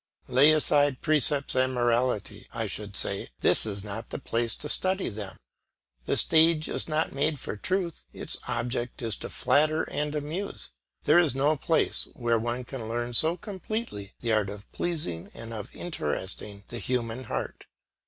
Lay aside precepts and morality, I should say; this is not the place to study them. The stage is not made for truth; its object is to flatter and amuse: there is no place where one can learn so completely the art of pleasing and of interesting the human heart.